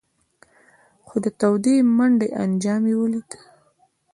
خو د تودې منډۍ انجام یې ولید.